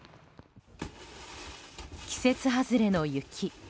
季節外れの雪。